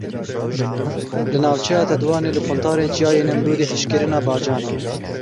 Li navçeya Tetwanê li quntarên Çiyayê Nemrûdê hişkkirina bacanan.